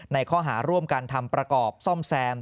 ในข้อหาร่วมกันทำประกอบซ่อมแซม